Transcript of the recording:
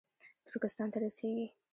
ترکستان ته رسېږي